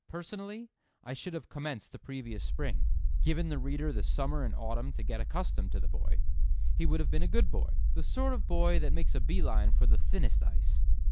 Personally, I should have commenced the previous spring—given the reader the summer and autumn to get accustomed to the boy. He would have been a good boy; the sort of boy that makes a bee line for the thinnest ice.